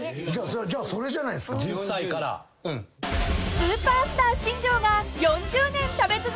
［スーパースター新庄が４０年食べ続けている食べ物とは］